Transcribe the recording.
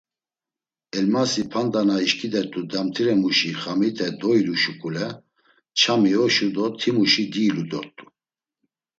Elmasi, p̌anda na işǩidert̆u damtiremuşi xamite doilu şuǩule; ç̌ami oşu do timuşi diilu dort̆u.